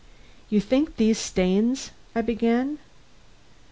"You think these stains " I began.